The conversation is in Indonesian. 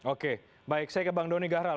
oke baik saya ke bang doni gahral